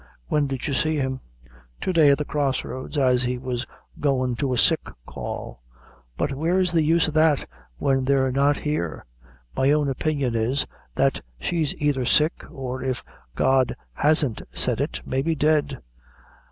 "When did you see him?" "To day at the cross roads, as he was goin' to a sick call. "But where's the use o' that, when they're not here? My own opinion is, that she's either sick, or if God hasn't said it, maybe dead.